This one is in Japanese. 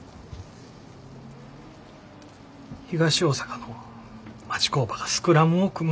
東大阪の町工場がスクラムを組む？